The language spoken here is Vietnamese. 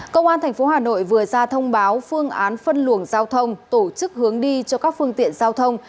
công an thị xã hòa thành vừa ra thông báo phương án phân luồng giao thông tổ chức hướng đi cho các phương tiện giao thông